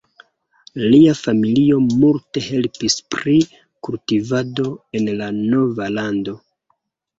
Lia familio multe helpis pri kultivado en la nova lando.